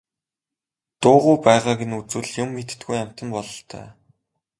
Дуугүй байгааг нь үзвэл юм мэддэггүй амьтан бололтой.